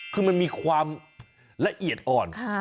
คือมันมีความละเอียดอ่อน